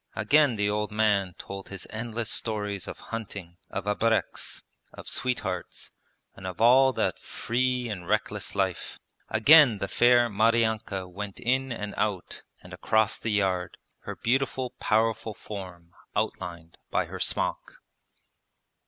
Again the old man told his endless stories of hunting, of abreks, of sweethearts, and of all that free and reckless life. Again the fair Maryanka went in and out and across the yard, her beautiful powerful form outlined by her smock.